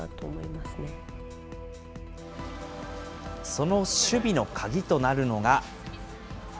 その守備の鍵となるのが。